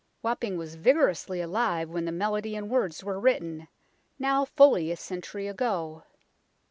Wapping was vigorously alive when the melody and words were written, now fully a century ago.